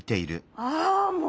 あもう！